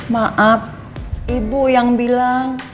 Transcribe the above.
maaf ibu yang bilang